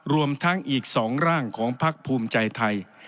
รวมทั้งอีก๒ร่างของพักภูมิใจไทย